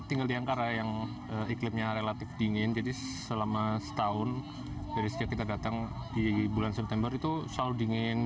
tinggal di ankara yang iklimnya relatif dingin jadi selama setahun dari sejak kita datang di bulan september itu selalu dingin